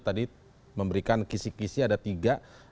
tadi memberikan kisih kisih ada tiga